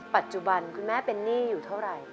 ปัจจุบันคุณแม่เป็นหนี้อยู่เท่าไหร่